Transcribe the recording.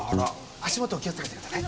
足元気をつけてください。